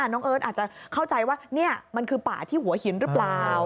น้องเอิร์ทอาจจะเข้าใจว่านี่มันคือป่าที่หัวหินหรือเปล่า